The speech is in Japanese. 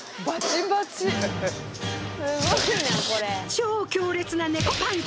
超強烈な猫パンチ！